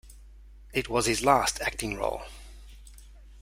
It was his last acting role.